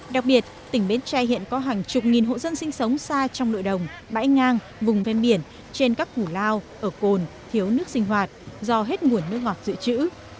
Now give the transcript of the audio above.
đặc biệt tỉnh bến tre hiện có hàng chục nghìn hộ dân sinh sống xa trong nội đồng bãi ngang vùng ven biển trên các hủ lao ở cồn thiếu nước sinh hoạt do hết nguồn nước ngọt dự trữ